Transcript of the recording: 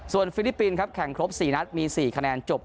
ฟิลิปปินส์ครับแข่งครบ๔นัดมี๔คะแนนจบ